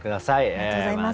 ありがとうございます。